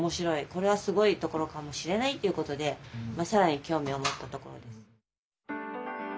これはすごいところかもしれないっていうことで更に興味を持ったところです。